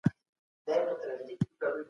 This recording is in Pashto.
سینوهه وویل چي مرګ هیڅ درد نه لري.